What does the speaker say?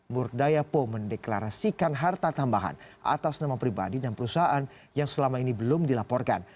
murdayapo mendeklarasikan harta tambahan atas nama pribadi dan perusahaan yang selama ini belum dilaporkan